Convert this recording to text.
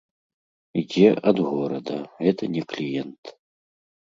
Ідзе ад горада, гэта не кліент.